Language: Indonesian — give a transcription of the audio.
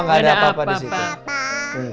gak ada apa apa disitu